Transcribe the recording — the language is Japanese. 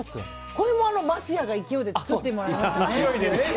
これも桝谷が勢いで作ってもらいましたね。